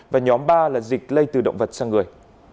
và nhóm ba là dịch lây từ động vật sang người